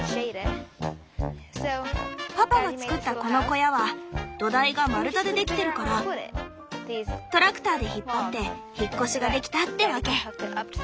パパが造ったこの小屋は土台が丸太でできてるからトラクターで引っ張って引っ越しができたってわけ。